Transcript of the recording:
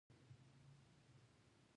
سیاسي بنسټونه پراخ بنسټه شوي نه وو.